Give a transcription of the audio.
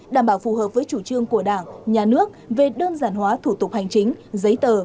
đảm bảo phù hợp với chủ trương của đảng nhà nước về đơn giản hóa thủ tục hành chính giấy tờ